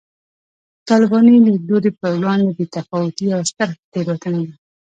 د طالباني لیدلوري پر وړاندې بې تفاوتي یوه ستره تېروتنه ده